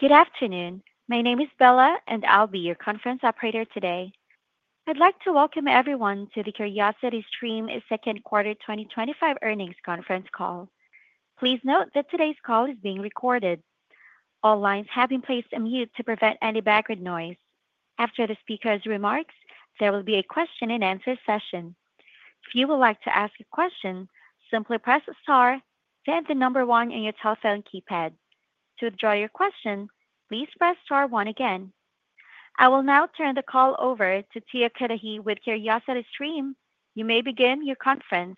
Good afternoon. My name is Bella, and I'll be your conference operator today. I'd like to welcome everyone to the CuriosityStream Inc. second quarter 2025 earnings conference call. Please note that today's call is being recorded. All lines have been placed on mute to prevent any background noise. After the speaker's remarks, there will be a question and answer session. If you would like to ask a question, simply press the star then the number one on your telephone keypad. To withdraw your question, please press star one again. I will now turn the call over to Tia Cudahy with CuriosityStream Inc. You may begin your conference.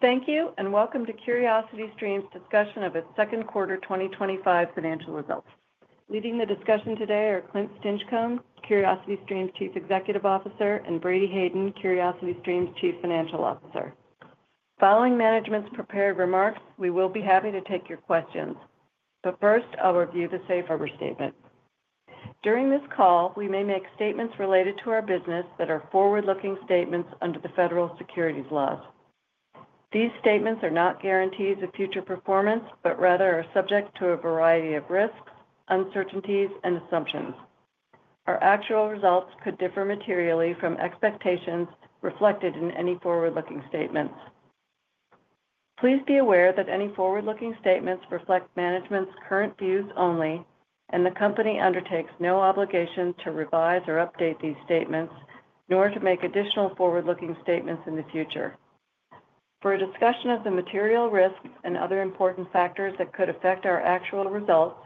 Thank you and welcome to Curiosity Stream Inc.'s discussion of its second quarter 2025 financial results. Leading the discussion today are Clint Stinchcomb, Curiosity Stream Inc.'s Chief Executive Officer, and Brady Hayden, Curiosity Stream Inc.'s Chief Financial Officer. Following management's prepared remarks, we will be happy to take your questions. First, I'll review the safe harbor statement. During this call, we may make statements related to our business that are forward-looking statements under the federal securities laws. These statements are not guarantees of future performance, but rather are subject to a variety of risks, uncertainties, and assumptions. Our actual results could differ materially from expectations reflected in any forward-looking statements. Please be aware that any forward-looking statements reflect management's current views only, and the company undertakes no obligation to revise or update these statements, nor to make additional forward-looking statements in the future. For a discussion of the material risks and other important factors that could affect our actual results,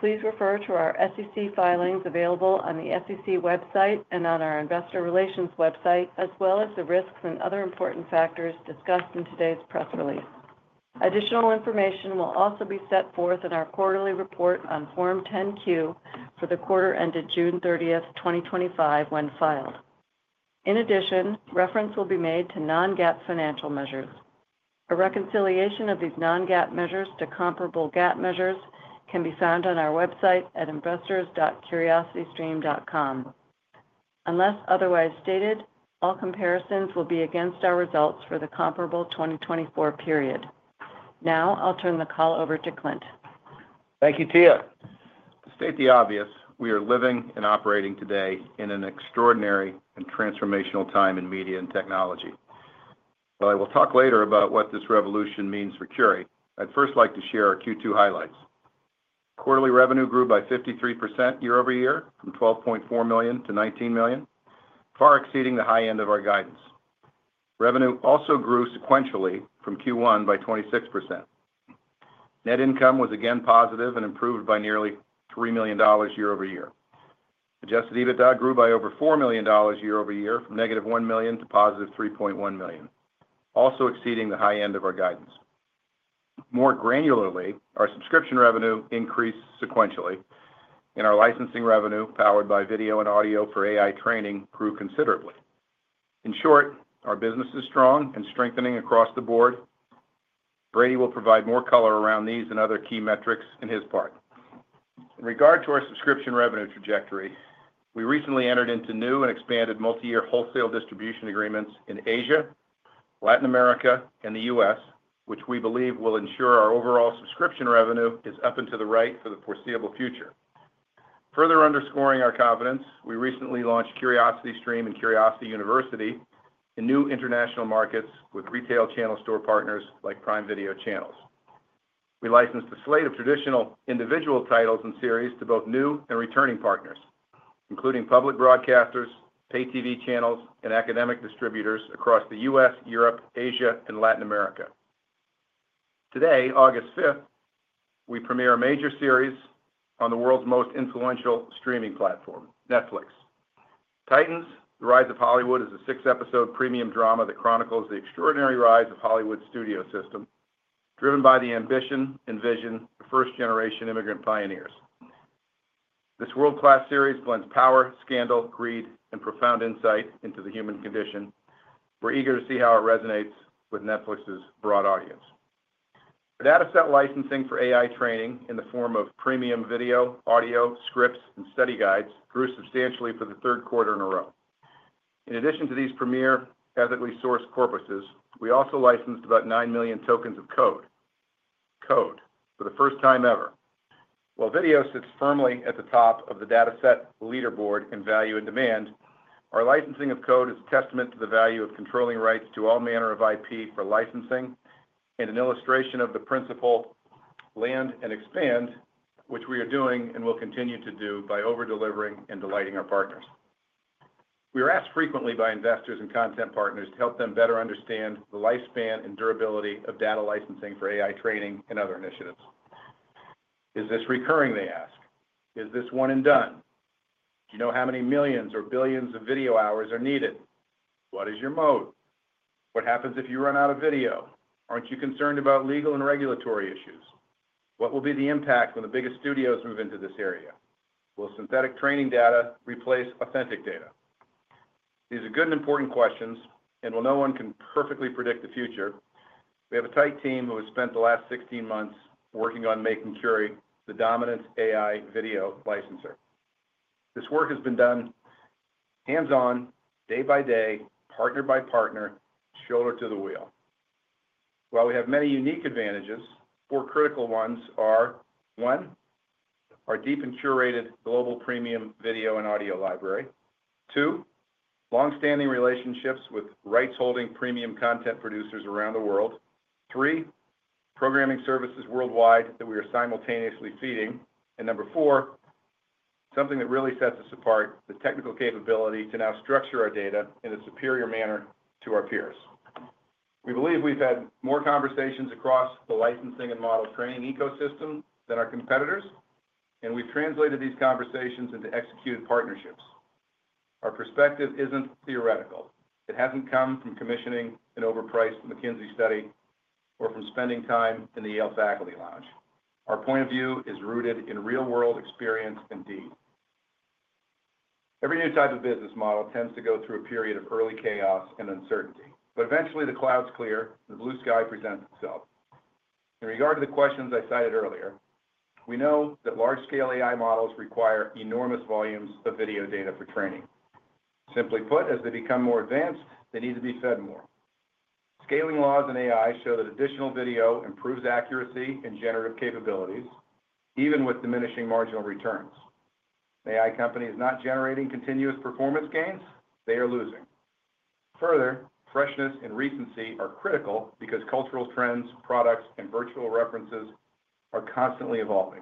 please refer to our SEC filings available on the SEC website and on our investor relations website, as well as the risks and other important factors discussed in today's press release. Additional information will also be set forth in our quarterly report on Form 10-Q for the quarter ended June 30, 2025, when filed. In addition, reference will be made to non-GAAP financial measures. A reconciliation of these non-GAAP measures to comparable GAAP measures can be found on our website at investors.curiositystream.com. Unless otherwise stated, all comparisons will be against our results for the comparable 2024 period. Now, I'll turn the call over to Clint. Thank you, Tia. To state the obvious, we are living and operating today in an extraordinary and transformational time in media and technology. While I will talk later about what this revolution means for Curiosity Stream, I'd first like to share our Q2 highlights. Quarterly revenue grew by 53% year over year from $12.4 million to $19 million, far exceeding the high end of our guidance. Revenue also grew sequentially from Q1 by 26%. Net income was again positive and improved by nearly $3 million year over year. Adjusted EBITDA grew by over $4 million year over year from negative $1 million to positive $3.1 million, also exceeding the high end of our guidance. More granularly, our subscription revenue increased sequentially, and our licensing revenue powered by video and audio for AI training grew considerably. In short, our business is strong and strengthening across the board. Brady will provide more color around these and other key metrics in his part. In regard to our subscription revenue trajectory, we recently entered into new and expanded multi-year wholesale distribution agreements in Asia, Latin America, and the U.S., which we believe will ensure our overall subscription revenue is up and to the right for the foreseeable future. Further underscoring our confidence, we recently launched Curiosity Stream subscription service and Curiosity University in new international markets with retail channel store partners like Prime Video Channels. We licensed a slate of traditional individual titles and series to both new and returning partners, including public broadcasters, pay-TV channels, and academic distributors across the U.S., Europe, Asia, and Latin America. Today, August 5, we premiere a major series on the world's most influential streaming platform, Netflix. Titans: The Rise of Hollywood is a six-episode premium drama that chronicles the extraordinary rise of Hollywood's studio system, driven by the ambition and vision of first-generation immigrant pioneers. This world-class series blends power, scandal, greed, and profound insight into the human condition. We're eager to see how it resonates with Netflix's broad audience. The dataset licensing for AI training in the form of premium video, audio, scripts, and study guides grew substantially for the third quarter in a row. In addition to these premier ethically sourced corpuses, we also licensed about 9 million tokens of code, code for the first time ever. While video sits firmly at the top of the dataset leaderboard in value and demand, our licensing of code is a testament to the value of controlling rights to all manner of IP for licensing and an illustration of the principle land and expand, which we are doing and will continue to do by overdelivering and delighting our partners. We are asked frequently by investors and content partners to help them better understand the lifespan and durability of data licensing for AI training and other initiatives. Is this recurring, they ask? Is this one and done? Do you know how many millions or billions of video hours are needed? What is your mode? What happens if you run out of video? Aren't you concerned about legal and regulatory issues? What will be the impact when the biggest studios move into this area? Will synthetic training data replace authentic data? These are good and important questions, and while no one can perfectly predict the future, we have a tight team who has spent the last 16 months working on making Curi the dominant AI video licenser. This work has been done hands-on, day by day, partner by partner, shoulder to the wheel. While we have many unique advantages, four critical ones are: one, our deep and curated global premium video and audio library; two, longstanding relationships with rights-holding premium content producers around the world; three, programming services worldwide that we are simultaneously feeding; and number four, something that really sets us apart, the technical capability to now structure our data in a superior manner to our peers. We believe we've had more conversations across the licensing and model training ecosystem than our competitors, and we've translated these conversations into executed partnerships. Our perspective isn't theoretical. It hasn't come from commissioning an overpriced McKinsey study or from spending time in the Yale faculty lounge. Our point of view is rooted in real-world experience and deed. Every new type of business model tends to go through a period of early chaos and uncertainty, but eventually the clouds clear and the blue sky presents itself. In regard to the questions I cited earlier, we know that large-scale AI models require enormous volumes of video data for training. Simply put, as they become more advanced, they need to be fed more. Scaling laws in AI show that additional video improves accuracy and generative capabilities, even with diminishing marginal returns. AI companies not generating continuous performance gains, they are losing. Further, freshness and recency are critical because cultural trends, products, and virtual references are constantly evolving.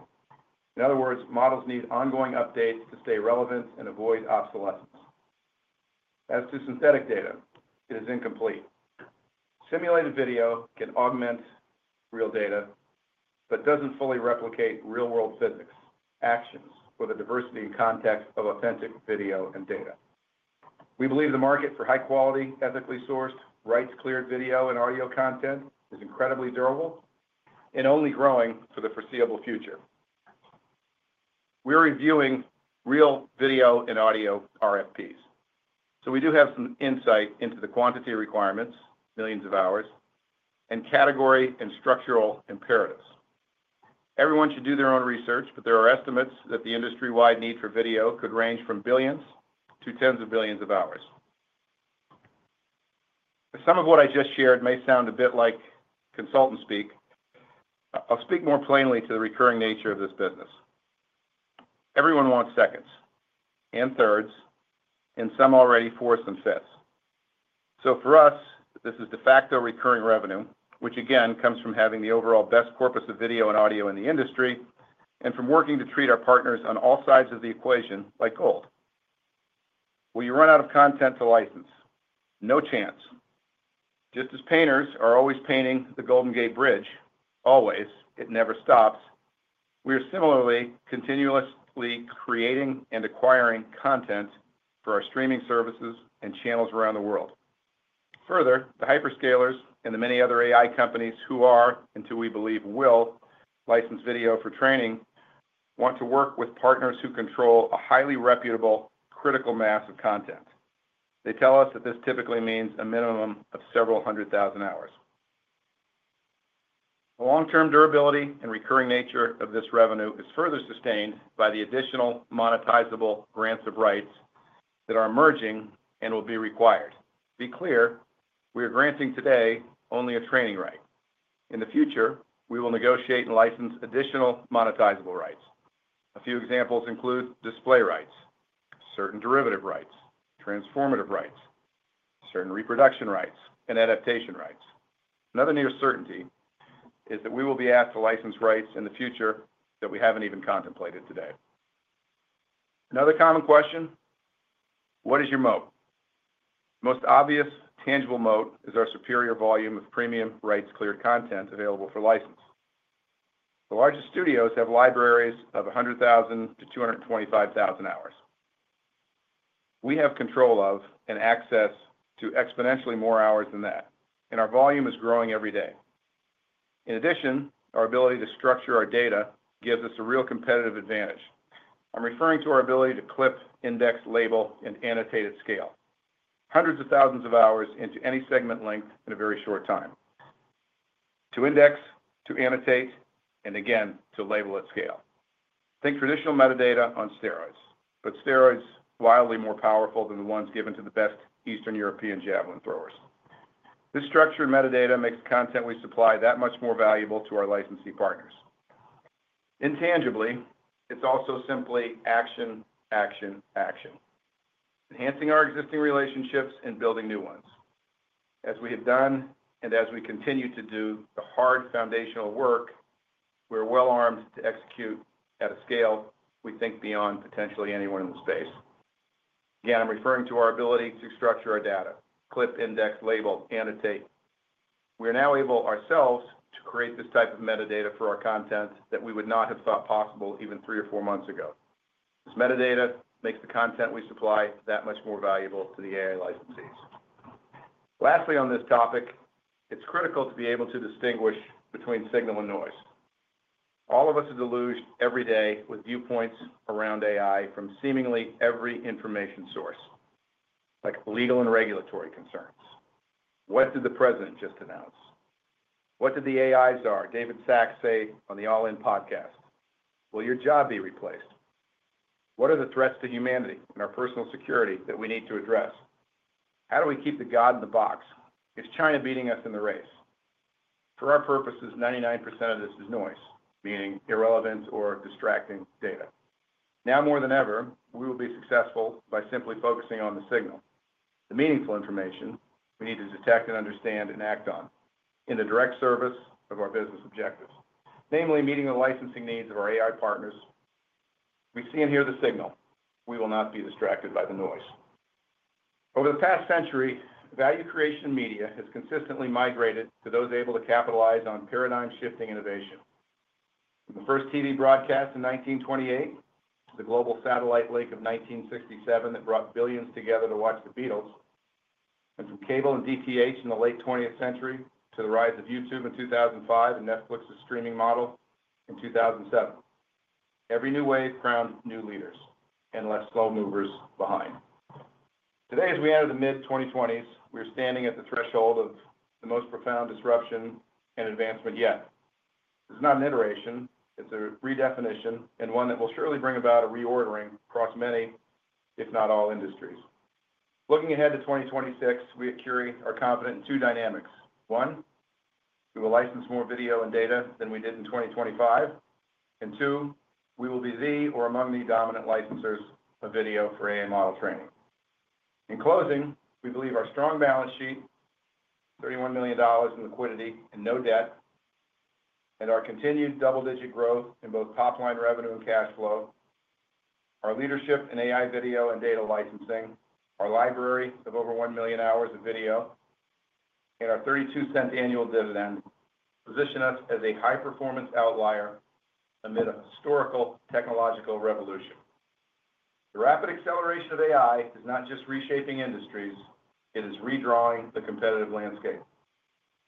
In other words, models need ongoing updates to stay relevant and avoid obsolescence. As to synthetic data, it is incomplete. Simulated video can augment real data, but doesn't fully replicate real-world physics, actions, or the diversity and context of authentic video and data. We believe the market for high-quality, ethically sourced, rights-cleared video and audio content is incredibly durable and only growing for the foreseeable future. We're reviewing real video and audio RFPs. We do have some insight into the quantity requirements, millions of hours, and category and structural imperatives. Everyone should do their own research, but there are estimates that the industry-wide need for video could range from billions to tens of billions of hours. Some of what I just shared may sound a bit like consultant speak. I'll speak more plainly to the recurring nature of this business. Everyone wants seconds and thirds, and some already fourths and fifths. For us, this is de facto recurring revenue, which again comes from having the overall best corpus of video and audio in the industry and from working to treat our partners on all sides of the equation like gold. Will you run out of content to license? No chance. Just as painters are always painting the Golden Gate Bridge, always, it never stops, we are similarly continuously creating and acquiring content for our streaming services and channels around the world. Further, the hyperscalers and the many other AI companies who are, and who we believe will, license video for training, want to work with partners who control a highly reputable, critical mass of content. They tell us that this typically means a minimum of several hundred thousand hours. The long-term durability and recurring nature of this revenue is further sustained by the additional monetizable grants of rights that are emerging and will be required. Be clear, we are granting today only a training right. In the future, we will negotiate and license additional monetizable rights. A few examples include display rights, certain derivative rights, transformative rights, certain reproduction rights, and adaptation rights. Another near certainty is that we will be asked to license rights in the future that we haven't even contemplated today. Another common question, what is your moat? Most obvious, tangible moat is our superior volume of premium rights-cleared content available for license. The largest studios have libraries of 100,000 to 225,000 hours. We have control of and access to exponentially more hours than that, and our volume is growing every day. In addition, our ability to structure our data gives us a real competitive advantage. I'm referring to our ability to clip, index, label, and annotate at scale. Hundreds of thousands of hours into any segment length in a very short time. To index, to annotate, and again to label at scale. Think traditional metadata on steroids, but steroids wildly more powerful than the ones given to the best Eastern European javelin throwers. This structured metadata makes the content we supply that much more valuable to our licensee partners. Intangibly, it's also simply action, action, action. Enhancing our existing relationships and building new ones. As we have done and as we continue to do the hard foundational work, we are well armed to execute at a scale we think beyond potentially anyone in the space. Again, I'm referring to our ability to structure our data, clip, index, label, annotate. We are now able ourselves to create this type of metadata for our content that we would not have thought possible even three or four months ago. This metadata makes the content we supply that much more valuable to the AI licensees. Lastly, on this topic, it's critical to be able to distinguish between signal and noise. All of us are deluged every day with viewpoints around AI from seemingly every information source, like legal and regulatory concerns. What did the president just announce? What did the AI czar, David Sacks, say on the All In podcast? Will your job be replaced? What are the threats to humanity and our personal security that we need to address? How do we keep the God in the box? Is China beating us in the race? For our purposes, 99% of this is noise, meaning irrelevant or distracting data. Now more than ever, we will be successful by simply focusing on the signal, the meaningful information we need to detect and understand and act on in the direct service of our business objectives, namely meeting the licensing needs of our AI partners. We see and hear the signal. We will not be distracted by the noise. Over the past century, value creation in media has consistently migrated to those able to capitalize on paradigm-shifting innovation. The first TV broadcast in 1928, the Global Satellite Leak of 1967 that brought billions together to watch The Beatles, and from cable and DPH in the late 20th century to the rise of YouTube in 2005 and Netflix's streaming model in 2007, every new wave crowned new leaders and left slow movers behind. Today, as we enter the mid-2020s, we are standing at the threshold of the most profound disruption and advancement yet. This is not an iteration. It's a redefinition and one that will surely bring about a reordering across many, if not all, industries. Looking ahead to 2026, we at CuriosityStream are confident in two dynamics. One, we will license more video and data than we did in 2025, and two, we will be the or among the dominant licensers of video for AI model training. In closing, we believe our strong balance sheet, $31 million in liquidity and no debt, and our continued double-digit growth in both top-line revenue and cash flow, our leadership in AI video and data licensing, our library of over 1 million hours of video, and our $0.32 annual dividend position us as a high-performance outlier amid a historical technological revolution. The rapid acceleration of AI is not just reshaping industries; it is redrawing the competitive landscape.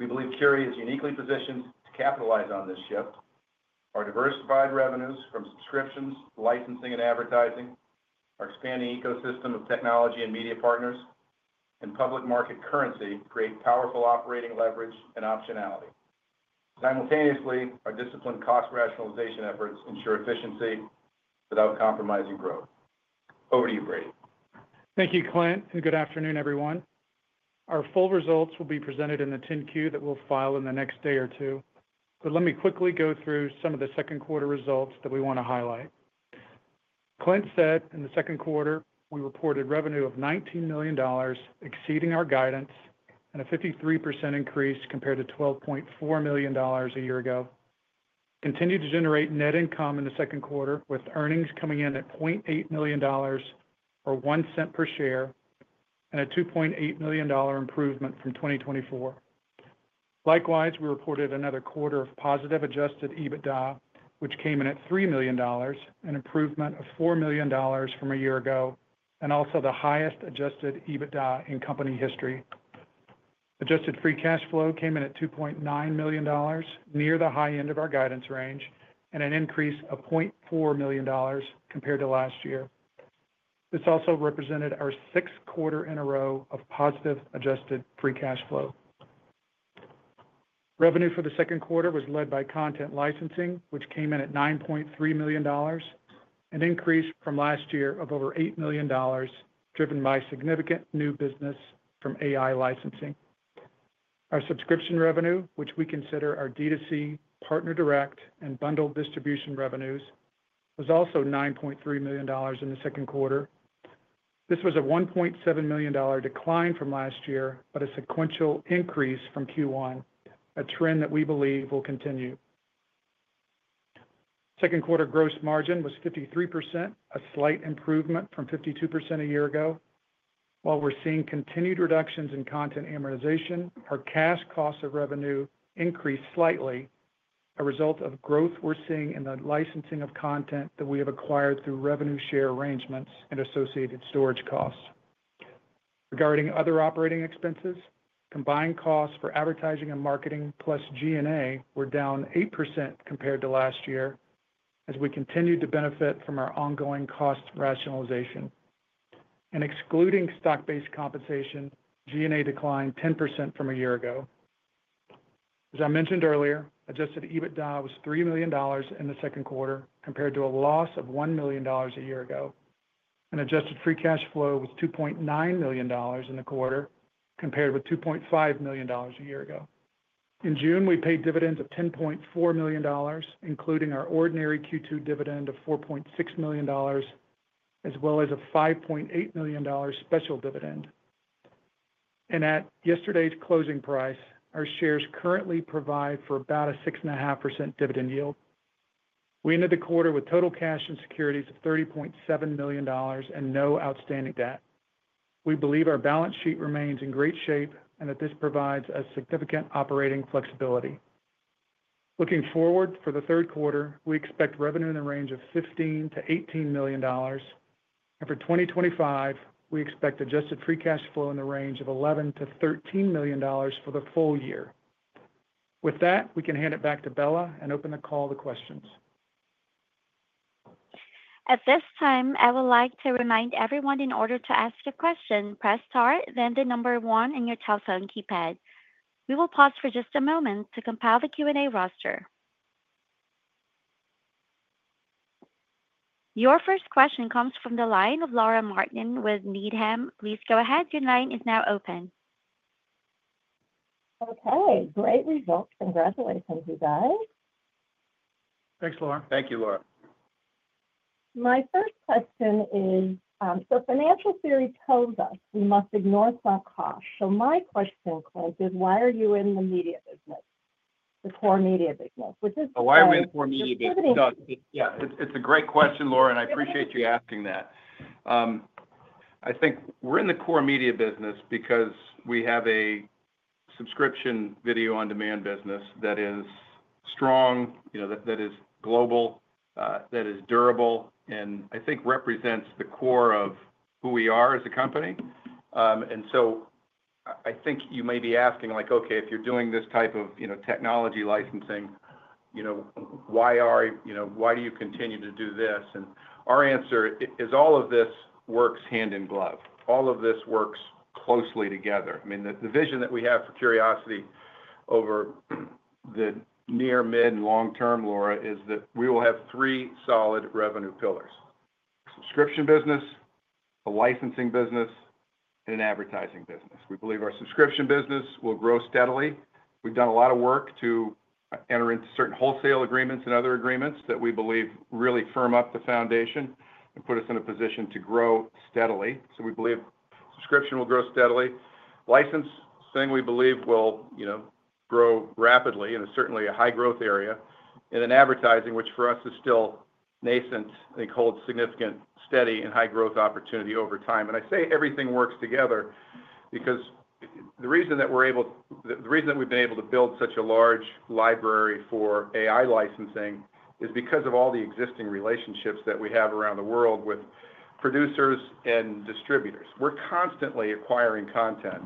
We believe CuriosityStream is uniquely positioned to capitalize on this shift. Our diversified revenues from subscriptions, licensing, and advertising, our expanding ecosystem of technology and media partners, and public market currency create powerful operating leverage and optionality. Simultaneously, our disciplined cost rationalization efforts ensure efficiency without compromising growth. Over to you, Brady. Thank you, Clint, and good afternoon, everyone. Our full results will be presented in the 10-Q that we'll file in the next day or two, but let me quickly go through some of the second quarter results that we want to highlight. Clint said in the second quarter, we reported revenue of $19 million, exceeding our guidance and a 53% increase compared to $12.4 million a year ago. Continued to generate net income in the second quarter with earnings coming in at $0.8 million or $0.01 per share and a $2.8 million improvement from 2024. Likewise, we reported another quarter of positive adjusted EBITDA, which came in at $3 million, an improvement of $4 million from a year ago, and also the highest adjusted EBITDA in company history. Adjusted free cash flow came in at $2.9 million, near the high end of our guidance range, and an increase of $0.4 million compared to last year. This also represented our sixth quarter in a row of positive adjusted free cash flow. Revenue for the second quarter was led by content licensing, which came in at $9.3 million, an increase from last year of over $8 million, driven by significant new business from AI content licensing. Our subscription revenue, which we consider our D2C, partner direct, and bundled distribution revenues, was also $9.3 million in the second quarter. This was a $1.7 million decline from last year, but a sequential increase from Q1, a trend that we believe will continue. Second quarter gross margin was 53%, a slight improvement from 52% a year ago. While we're seeing continued reductions in content amortization, our cash cost of revenue increased slightly, a result of growth we're seeing in the licensing of content that we have acquired through revenue share arrangements and associated storage costs. Regarding other operating expenses, combined costs for advertising and marketing plus G&A were down 8% compared to last year as we continued to benefit from our ongoing cost rationalization. Excluding stock-based compensation, G&A declined 10% from a year ago. As I mentioned earlier, adjusted EBITDA was $3 million in the second quarter compared to a loss of $1 million a year ago, and adjusted free cash flow was $2.9 million in the quarter compared with $2.5 million a year ago. In June, we paid dividends of $10.4 million, including our ordinary Q2 dividend of $4.6 million, as well as a $5.8 million special dividend. At yesterday's closing price, our shares currently provide for about a 6.5% dividend yield. We ended the quarter with total cash and securities of $30.7 million and no outstanding debt. We believe our balance sheet remains in great shape and that this provides us significant operating flexibility. Looking forward for the third quarter, we expect revenue in the range of $15 to $18 million, and for 2025, we expect adjusted free cash flow in the range of $11 to $13 million for the full year. With that, we can hand it back to Bella and open the call to questions. At this time, I would like to remind everyone in order to ask a question, press star, then the number one on your telephone keypad. We will pause for just a moment to compile the Q&A roster. Your first question comes from the line of Laura Anne Martin with Needham & Company. Please go ahead. Your line is now open. Okay, great results. Congratulations, you guys. Thanks, Laura. Thank you, Laura. My first question is, financial theory tells us we must ignore soft costs. My question, Clint, is why are you in the media business, the core media business? Oh, why are we in the core media business? Yeah, it's a great question, Laura, and I appreciate you asking that. I think we're in the core media business because we have a subscription video on demand business that is strong, that is global, that is durable, and I think represents the core of who we are as a company. I think you may be asking, like, okay, if you're doing this type of technology licensing, why do you continue to do this? Our answer is all of this works hand in glove. All of this works closely together. The vision that we have for Curiosity Stream over the near, mid, and long term, Laura, is that we will have three solid revenue pillars: a subscription business, a licensing business, and an advertising business. We believe our subscription business will grow steadily. We've done a lot of work to enter into certain wholesale agreements and other agreements that we believe really firm up the foundation and put us in a position to grow steadily. We believe subscription will grow steadily. Licensing we believe will grow rapidly and is certainly a high-growth area. Advertising, which for us is still nascent, I think holds significant steady and high-growth opportunity over time. I say everything works together because the reason that we've been able to build such a large library for AI content licensing is because of all the existing relationships that we have around the world with producers and distributors. We're constantly acquiring content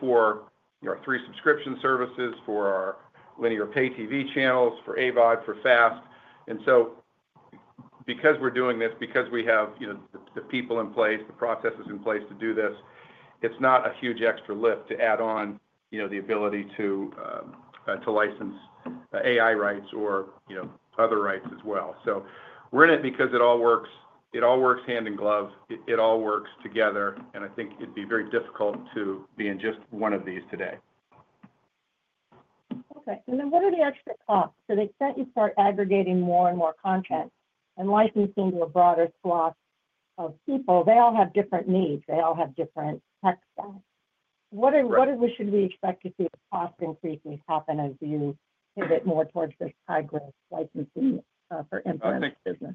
for our three subscription services, for our linear pay-TV channels, for AVOD, for FAST. Because we're doing this, because we have the people in place, the processes in place to do this, it's not a huge extra lift to add on the ability to license AI rights or other rights as well. We're in it because it all works. It all works hand in glove. It all works together. I think it'd be very difficult to be in just one of these today. Okay. What are the extra costs? To the extent you start aggregating more and more content and licensing to a broader swath of people, they all have different needs. They all have different tech stuff. What is, what is, should we expect to see the cost increases happen as you pivot more towards this high-growth licensing for inference business?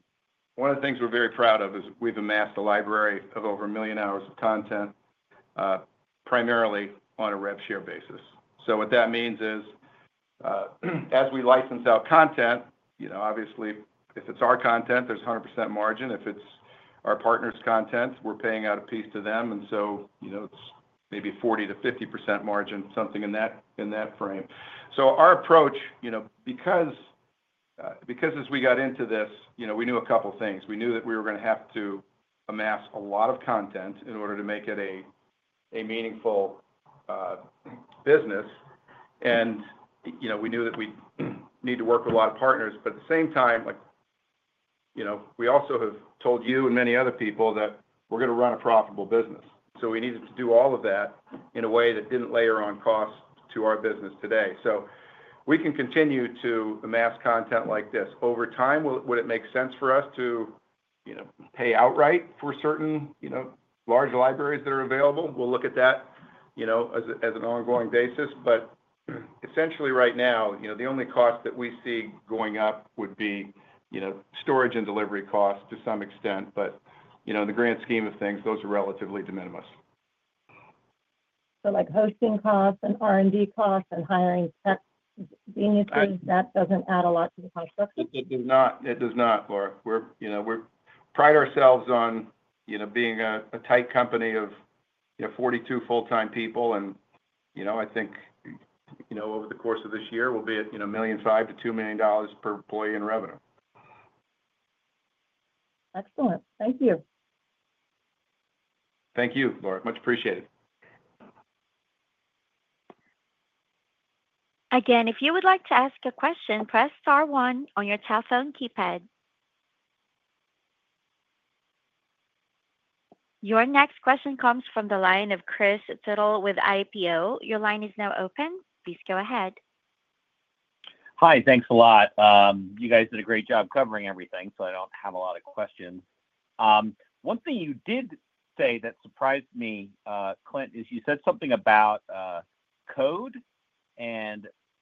One of the things we're very proud of is we've amassed a library of over a million hours of content, primarily on a rev share basis. What that means is, as we license out content, obviously, if it's our content, there's 100% margin. If it's our partner's content, we're paying out a piece to them. It's maybe 40% to 50% margin, something in that frame. Our approach, because as we got into this, we knew a couple of things. We knew that we were going to have to amass a lot of content in order to make it a meaningful business. We knew that we need to work with a lot of partners. At the same time, we also have told you and many other people that we're going to run a profitable business. We needed to do all of that in a way that didn't layer on costs to our business today. We can continue to amass content like this over time. Would it make sense for us to pay outright for certain large libraries that are available? We'll look at that on an ongoing basis. Essentially right now, the only cost that we see going up would be storage and delivery costs to some extent. In the grand scheme of things, those are relatively de minimis. Hosting costs and R&D costs and hiring tech geniuses, that doesn't add a lot to the cost structure? It does not. It does not, Laura. We pride ourselves on being a tight company of 42 full-time people. I think over the course of this year, we'll be at $1.5 million to $2 million per employee in revenue. Excellent. Thank you. Thank you, Laura. Much appreciated. Again, if you would like to ask a question, press star one on your telephone keypad. Your next question comes from the line of Kris Tuttle with IPO Candy. Your line is now open. Please go ahead. Hi, thanks a lot. You guys did a great job covering everything, so I don't have a lot of questions. One thing you did say that surprised me, Clint, is you said something about code.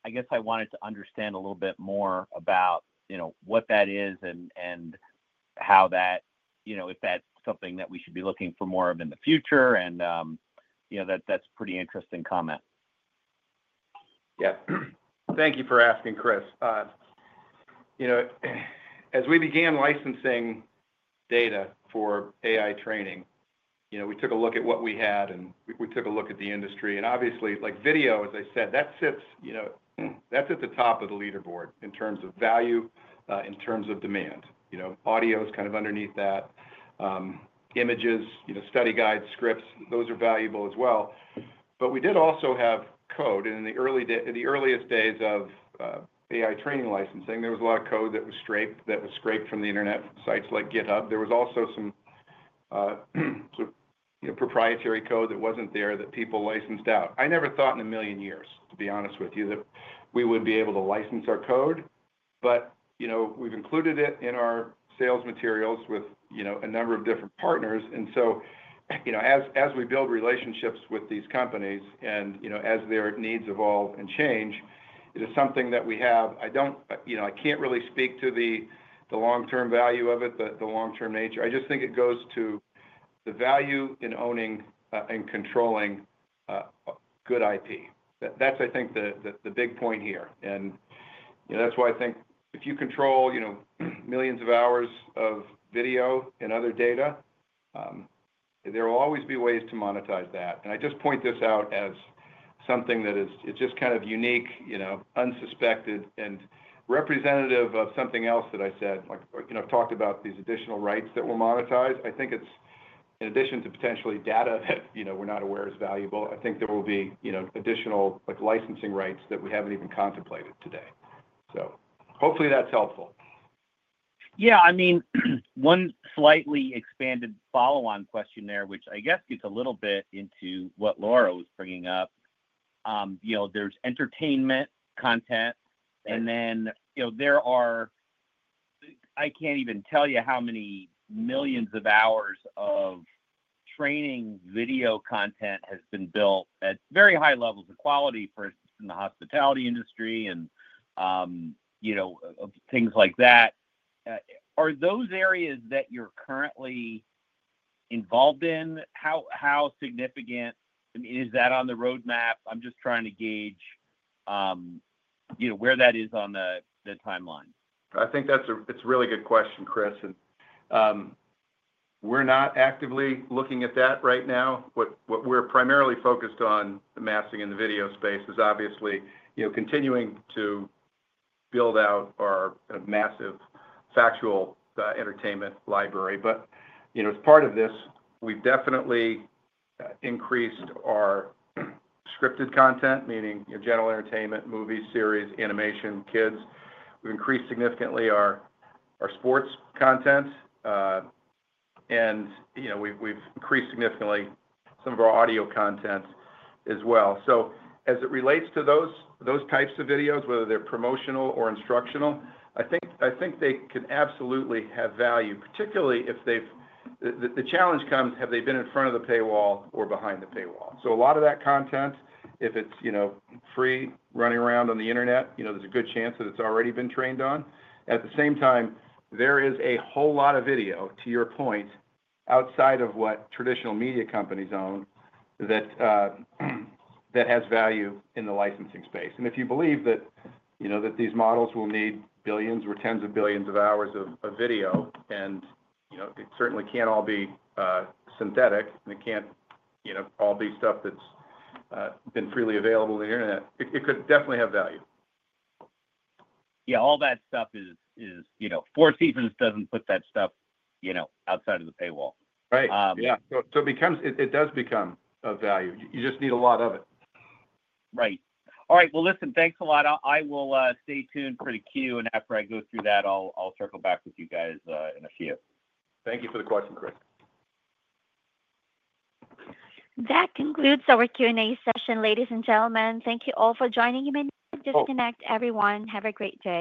I guess I wanted to understand a little bit more about what that is and how that, you know, if that's something that we should be looking for more of in the future. That's a pretty interesting comment. Thank you for asking, Chris. As we began licensing data for AI training, we took a look at what we had, and we took a look at the industry. Obviously, like video, as I said, that sits at the top of the leaderboard in terms of value, in terms of demand. Audio is kind of underneath that. Images, study guides, scripts, those are valuable as well. We did also have code. In the early days, the earliest days of AI training licensing, there was a lot of code that was scraped from internet sites like GitHub. There was also some proprietary code that was not there that people licensed out. I never thought in a million years, to be honest with you, that we would be able to license our code. We have included it in our sales materials with a number of different partners. As we build relationships with these companies and as their needs evolve and change, it is something that we have. I cannot really speak to the long-term value of it, the long-term nature. I just think it goes to the value in owning and controlling good IP. That is, I think, the big point here. That is why I think if you control millions of hours of video and other data, there will always be ways to monetize that. I just point this out as something that is kind of unique, unsuspected, and representative of something else that I said, like talked about these additional rights that we will monetize. I think it is, in addition to potentially data that we are not aware is valuable, I think there will be additional licensing rights that we have not even contemplated today. Hopefully, that is helpful. Yeah, I mean, one slightly expanded follow-on question there, which I guess gets a little bit into what Laura was bringing up. You know, there's entertainment content, and then, you know, there are, I can't even tell you how many millions of hours of training video content has been built at very high levels of quality, for instance, in the hospitality industry and things like that. Are those areas that you're currently involved in? How significant, I mean, is that on the roadmap? I'm just trying to gauge where that is on the timeline. I think that's a really good question, Chris. We're not actively looking at that right now. What we're primarily focused on amassing in the video space is obviously continuing to build out our massive factual entertainment library. As part of this, we've definitely increased our scripted content, meaning general entertainment, movies, series, animation, kids. We've increased significantly our sports content, and we've increased significantly some of our audio content as well. As it relates to those types of videos, whether they're promotional or instructional, I think they can absolutely have value, particularly if they've, the challenge comes, have they been in front of the paywall or behind the paywall? A lot of that content, if it's free running around on the internet, there's a good chance that it's already been trained on. At the same time, there is a whole lot of video, to your point, outside of what traditional media companies own that has value in the licensing space. If you believe that these models will need billions or tens of billions of hours of video, and it certainly can't all be synthetic, and it can't all be stuff that's been freely available on the internet, it could definitely have value. Yeah, all that stuff is, you know, four seasons doesn't put that stuff, you know, outside of the paywall. Right. Yeah, it does become of value. You just need a lot of it. Right. All right. Listen, thanks a lot. I will stay tuned for the Q, and after I go through that, I'll circle back with you guys in a few. Thank you for the question, Kris. That concludes our Q&A session, ladies and gentlemen. Thank you all for joining in. Everyone, have a great day.